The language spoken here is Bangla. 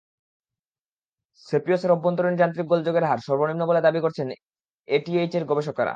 সেপিওসের অভ্যন্তরীণ যান্ত্রিক গোলযোগের হার সর্বনিম্ন বলে দাবি করছেন ইটিএইচের গবেষকেরা।